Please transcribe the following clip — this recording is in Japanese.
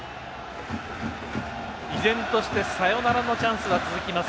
依然としてサヨナラのチャンスは続きます。